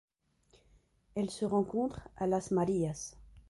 Elle se rencontre à Las Marías.